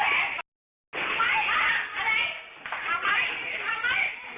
และออน